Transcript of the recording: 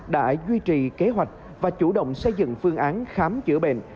đã duy trì kế hoạch và chủ động xây dựng phương án khám chữa bệnh